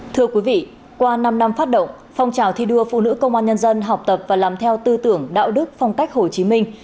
thưa quý vị qua năm năm phát động phong trào thi đua phụ nữ công an nhân dân học tập và làm theo tư tưởng đạo đức phong cách hồ chí minh